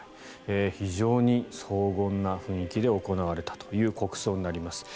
非常に荘厳な雰囲気で行われたという国葬になります。